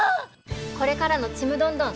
これからの「ちむどんどん」